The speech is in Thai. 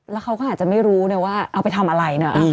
แล้วเขาก็อาจจะไม่รู้เลยว่าเอาไปทำอะไรนะ